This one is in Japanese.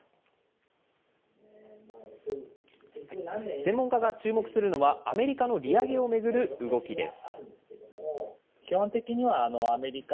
専門家が注目するのは、アメリカの利上げを巡る動きです。